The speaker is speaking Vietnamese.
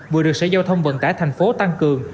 vừa được sở giao thông vận tải tp hcm tăng cường